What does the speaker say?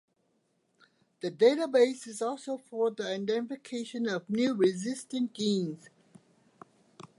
The database is also for the identification of new resistance genes.